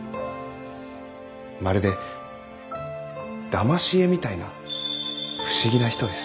まるでだまし絵みたいな不思議な人です。